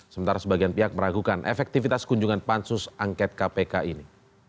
sementara sebagian pihak meragukan efektivitas kunjungan pansus angket kpk ini